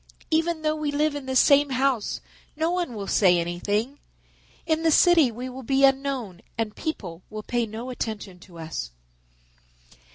Even though we live in the same house no one will say anything. In the city we will be unknown and people will pay no attention to us."